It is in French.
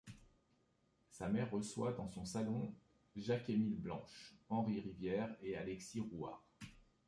Sa mère reçoit dans son salon Jacques-Émile Blanche, Henri Rivière et Alexis Rouart.